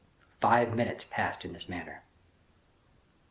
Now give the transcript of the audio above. Five minutes passed in this manner.